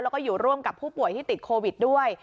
แล้วก็อยู่ร่วมกับผู้ป่วยที่ติดโควิดด้วย